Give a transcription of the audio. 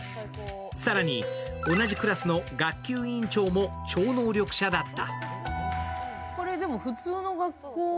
更に、同じクラスの学級委員長も超能力者だった。